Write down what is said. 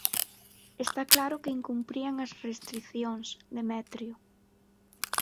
Está claro que incumprían as restricións, Demetrio.